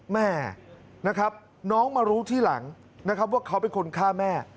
แม่นะครับน้องมารู้ทีหลังนะครับว่าเขาเป็นคนฆ่าแม่